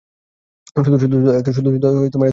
শুধুশুধু এত চ্যাঁতো কেন?